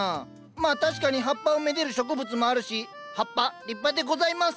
まあ確かに葉っぱをめでる植物もあるし葉っぱ立派でございます。